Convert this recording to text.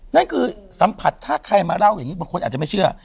นั่นคือสัมผัสถ้าใครมาเล่าอย่างนี้บางคนอาจจะไม่เชื่อ